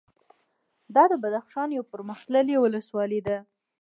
دا د بدخشان یوه پرمختللې ولسوالي ده